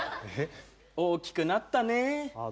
大きくなったね。